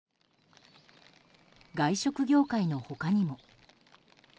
外食業界の他にも。